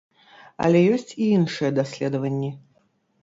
Але ёсць і іншыя даследаванні.